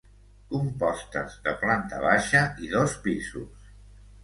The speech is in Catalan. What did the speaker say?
Compostes de planta baixa i dos pisos.